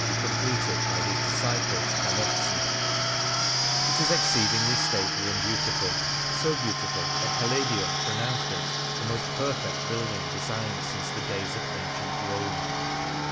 The Heart of Venice completed by his disciple Scamozzi, It is exceedingly stately and beautiful — so beautiful that Palladio pronounced it the most perfect building designed since the days of ancient Rome.